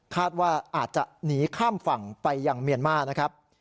ว่าอาจจะหนีข้ามฝั่งไปยังเมียนมานะครับ